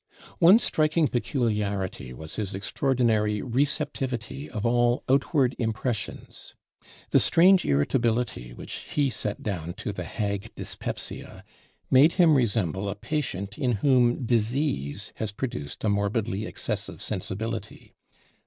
One striking peculiarity was his extraordinary "receptivity" of all outward impressions. The strange irritability which he set down to the "hag Dyspepsia" made him resemble a patient in whom disease has produced a morbidly excessive sensibility.